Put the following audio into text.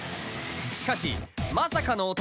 しかしまさかの男